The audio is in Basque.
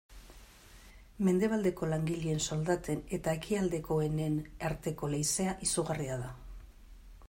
Mendebaldeko langileen soldaten eta ekialdekoenen arteko leizea izugarria da.